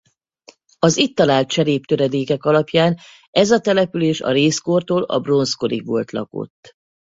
Az itt talált cseréptöredékek alapján ez a település a rézkortól a bronzkorig volt lakott.